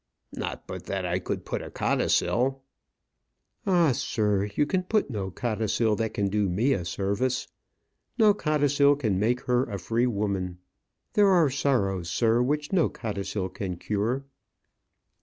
"Not but that I could put a codicil." "Ah, sir, you can put no codicil that can do me a service. No codicil can make her a free woman. There are sorrows, sir, which no codicil can cure."